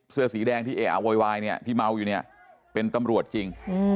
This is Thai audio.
เสื้อสีแดงและเอ๋อโวยไวเนี่ยที่เมาดูเนี่ยเป็นตำรวจจริง